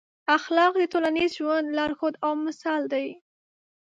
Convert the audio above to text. اخلاق د ټولنیز ژوند لارښود او مشال دی.